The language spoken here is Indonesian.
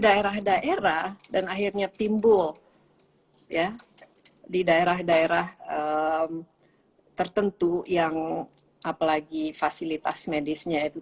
daerah daerah dan akhirnya timbul ya di daerah daerah tertentu yang apalagi fasilitas medisnya itu